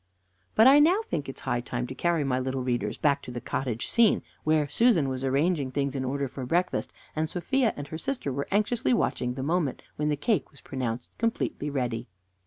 But I now think it is high time to carry my little readers back to the cottage scene, where Susan was arranging things in order for breakfast, and Sophia and her sister were anxiously watching the moment when the cake was pronounced completely ready.